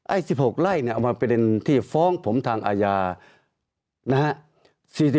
๑๖ไร่เนี่ยเอามาประเด็นที่ฟ้องผมทางอาญานะฮะ